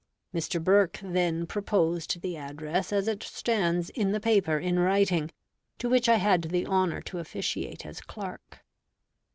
Mr. Burke then proposed the address as it stands in the paper in writing, to which I had the honor to officiate as clerk.